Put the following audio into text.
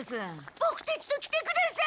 ボクたちと来てください！